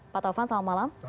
pak taufan selamat malam